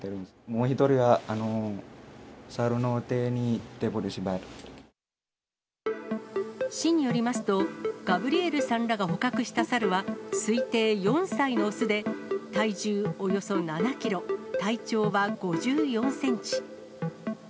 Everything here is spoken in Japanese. もう１人は、市によりますと、ガブリエルさんらが捕獲したサルは、推定４歳の雄で、体重およそ７キロ、体長は５４センチ。